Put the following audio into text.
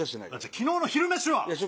昨日の昼飯は？